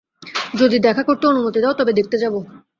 যদি দেখা করতে অনুমতি দাও তবে দেখতে যাব।